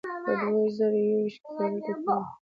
په دوه زره یو ویشت کې کابل ته تللی وم.